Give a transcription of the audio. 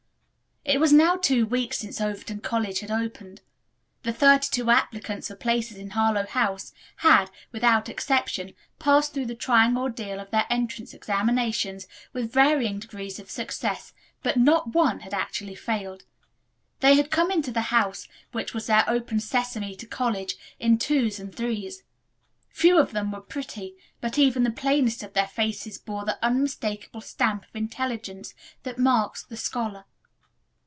It was now two weeks since Overton College had opened. The thirty two applicants for places in Harlowe House had, without exception, passed through the trying ordeal of their entrance examinations with varying degrees of success, but not one had actually failed. They had come into the house, which was their Open Sesame to college, in twos and threes. Few of them were pretty, but even the plainest of their faces bore the unmistakable stamp of intelligence that marks the scholar.